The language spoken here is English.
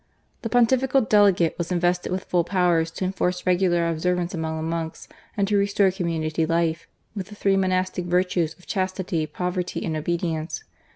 The Pontifical Delegate was invested with full powers to enforce regular observance among the monks and to restore community life, with the three monastic virtues of chastity, poverty, and obedience.